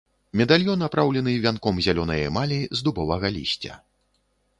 Медальён апраўлены вянком зялёнай эмалі з дубовага лісця.